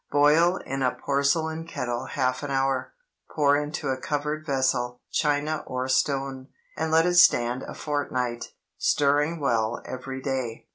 Boil in a porcelain kettle half an hour. Pour into a covered vessel—china or stone—and let it stand a fortnight, stirring well every day.